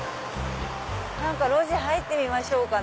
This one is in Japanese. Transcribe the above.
路地入ってみましょうかね。